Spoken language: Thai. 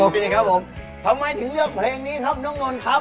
เป็นไงครับผมทำไมถึงเลือกเพลงนี้ครับน้องนนท์ครับ